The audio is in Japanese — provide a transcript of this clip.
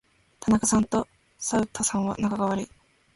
田中さんと左右田さんは仲が悪い。